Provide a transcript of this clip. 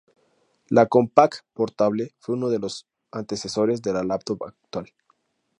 La Compaq Portable fue uno de los antecesores de la laptop actual.